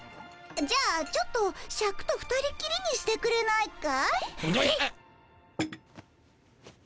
じゃあちょっとシャクと二人きりにしてくれないかい？